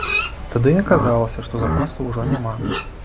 Тады і аказалася, што запасаў ужо няма.